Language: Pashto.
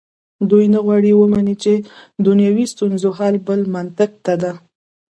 دوی نه غواړي ومني چې دنیوي ستونزو حل بل منطق ته ده.